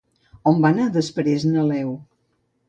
On va anar després Neleu?